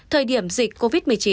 thời điểm dịch covid một mươi chín